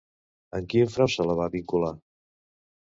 Amb quin frau se la va vincular?